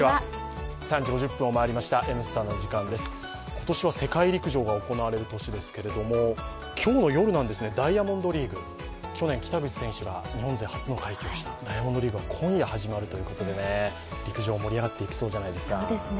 今年は世界陸上が行われる年ですけれども今日の夜、ダイヤモンドリーグ去年、北口選手が日本勢初の快挙でした、ダイヤモンドリーグが今夜始まるということで陸上、盛り上がっていきそうじゃないですか。